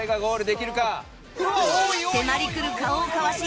迫り来る顔をかわし